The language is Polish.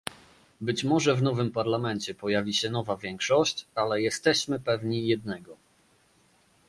Być może w nowym Parlamencie pojawi się nowa większość, ale jesteśmy pewni jednego